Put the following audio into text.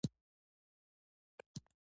محمود چوپه خوله ولاړ و.